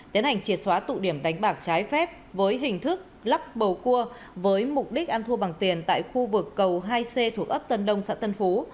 tiến hành triệt xóa tụ điểm đánh bạc trái phép với hình thức lắc bầu cua với mục đích ăn thua bằng tiền tại khu vực cầu hai c thuộc ấp tân đông xã tân phú